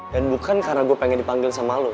dan bukan karena gue pengen dipanggil sama lo